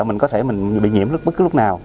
mình có thể bị nhiễm bất cứ lúc nào